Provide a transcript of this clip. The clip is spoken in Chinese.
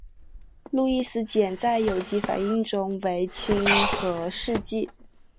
路易斯碱在有机反应中为亲核试剂。